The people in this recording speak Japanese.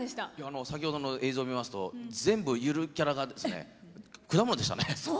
先ほどの映像を見ますと全部、ゆるキャラが果物でしたね。